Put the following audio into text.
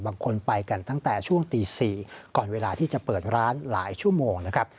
บางคนไปกันตั้งแต่ช่วงตี๔ก่อนเวลาที่จะเปิดร้านหลายชั่วโมงนะครับ